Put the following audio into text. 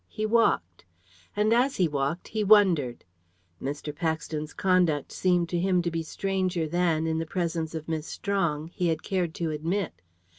He walked. And as he walked he wondered. Mr. Paxton's conduct seemed to him to be stranger than, in the presence of Miss Strong, he had cared to admit.